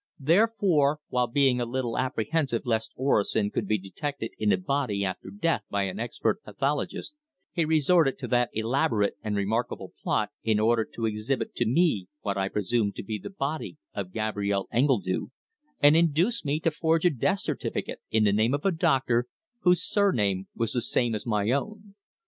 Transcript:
Therefore, while being a little apprehensive lest orosin could be detected in a body after death by an expert pathologist, he resorted to that elaborate and remarkable plot in order to exhibit to me what I presumed to be the body of Gabrielle Engledue, and induce me to forge a death certificate in the name of a doctor whose surname was the same as my own.